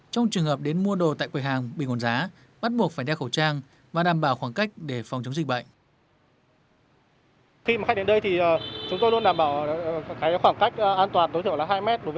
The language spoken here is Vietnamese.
trong trường hợp đến mua đồ tại quầy hàng bình ổn giá bắt buộc phải đeo khẩu trang và đảm bảo khoảng cách để phòng chống dịch bệnh